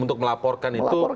untuk melaporkan itu